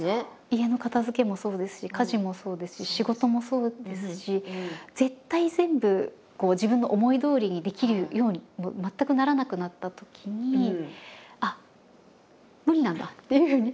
家の片づけもそうですし家事もそうですし仕事もそうですし絶対全部こう自分の思いどおりにできるように全くならなくなったときにあっ無理なんだっていうふうに。